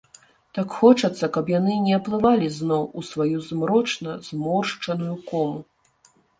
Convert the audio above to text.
Так хочацца, каб яны не аплывалі зноў у сваю змрочна зморшчаную кому!